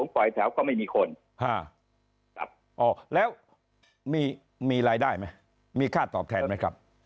ปล่อยแถวก็ไม่มีคนแล้วมีรายได้ไหมมีค่าตอบแทนไหมครับ